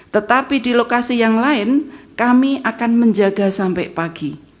tetapi di lokasi yang lain kami akan menjaga sampai pagi